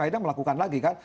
akhirnya melakukan lagi kan